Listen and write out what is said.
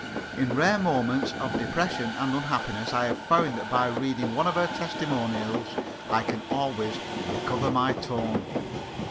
In rare moments of depression and unhappiness I have found that by reading one of her testimonials I can always recover my tone.